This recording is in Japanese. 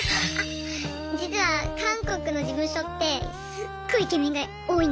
実は韓国の事務所ってすっごいイケメンが多いんですよ。